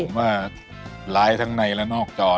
ผมว่าร้ายทั้งในและนอกจอเลย